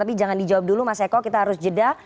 tapi jangan dijawab dulu mas eko kita harus jeda